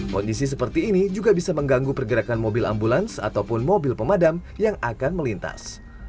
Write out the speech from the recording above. kondisi seperti ini juga bisa mengganggu pergerakan mobil ambulans ataupun mobil pemadam yang akan melintas